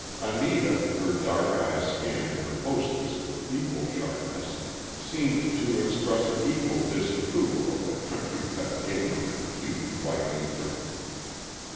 Anita, her dark eyes scanning her hostess with equal sharpness, seemed to express an equal disapproval of the country cut gingham and huge white apron.